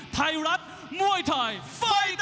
ไทยรัฐมวยไทยไฟเตอร์